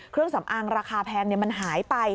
เครื่องสำอางราคาแพงมันหายไป